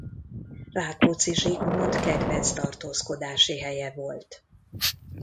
Rákóczi Zsigmond kedvenc tartózkodási helye volt.